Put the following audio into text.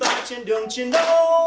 và mơ hồ